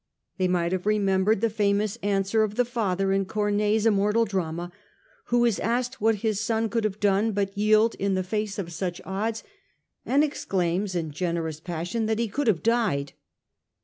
They might have remem bered the famous answer of the father in Corneille's immortal drama, who is asked what his son could have done but yield in the face of such odds, and exclaims in generous passion that he could have died.